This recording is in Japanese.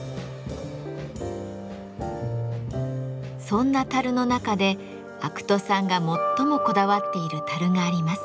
そんな樽の中で肥土さんが最もこだわっている樽があります。